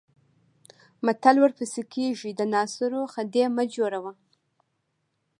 متل ورپسې کېږي د ناصرو خدۍ مه جوړوه.